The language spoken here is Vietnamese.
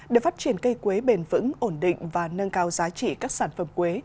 để phát triển cây quế bền vững ổn định và nâng cao giá trị các sản phẩm quế